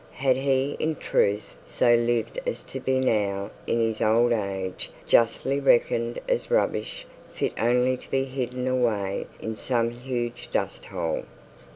Had he in truth so lived as to be now in his old age justly reckoned as rubbish fit only to be hidden away in some huge dust hole?